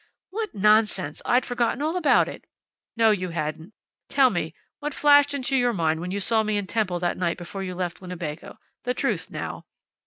"What nonsense! I'd forgotten all about it." "No you hadn't. Tell me, what flashed into your mind when you saw me in Temple that night before you left Winnebago? The truth, now."